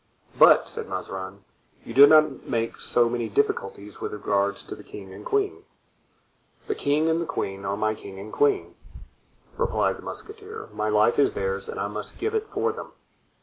"But," said Mazarin, "you did not make so many difficulties with regard to the king and queen." "The king and the queen are my king and queen," replied the musketeer, "my life is theirs and I must give it for them.